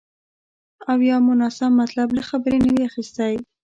او یا مو ناسم مطلب له خبرې نه وي اخیستی